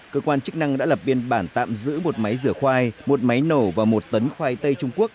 cơ quan chức năng đã lập biên bản tạm giữ một máy rửa khoai một máy nổ và một tấn khoai tây trung quốc